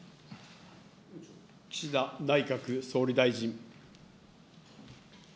岸田内閣総理大臣。